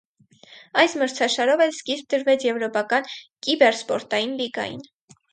Այս մրցարշարով էլ սկիզբ դրվեց եվրոպական կիբեռսպորտային լիգային։